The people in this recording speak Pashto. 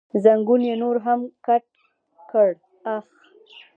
زنګون یې نور هم کت کړ، اخ.